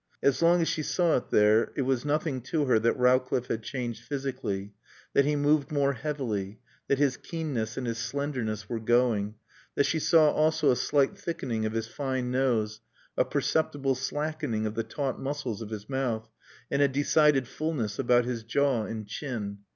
As long as she saw it there it was nothing to her that Rowcliffe had changed physically, that he moved more heavily, that his keenness and his slenderness were going, that she saw also a slight thickening of his fine nose, a perceptible slackening of the taut muscles of his mouth, and a decided fulness about his jaw and chin.